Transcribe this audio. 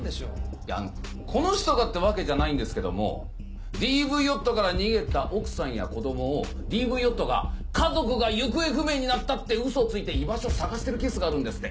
いやこの人がってわけじゃないんですけどもＤＶ夫から逃げた奥さんや子供をＤＶ夫が「家族が行方不明になった」ってウソをついて居場所を捜してるケースがあるんですって。